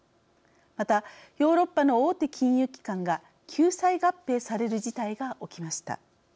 またヨーロッパの大手金融機関が救済合併される事態が起きました。